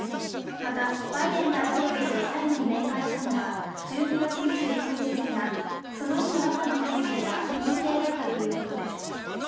またバイデン大統領と最後に面会したのは１２月２１日ですが、その日の朝の検査では陰性だったということです。